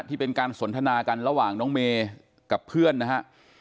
ที่เป็นการสนทนากันระหว่างน้องเมย์กับเพื่อนนะฮะ